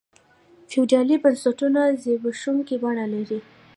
فیوډالي بنسټونو زبېښونکي بڼه لرله.